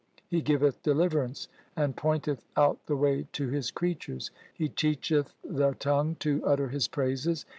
He giveth deliverance and pointeth out the way to His creatures. He teacheth the tongue to utter His praises.